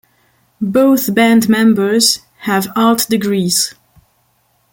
Both band members have art degrees.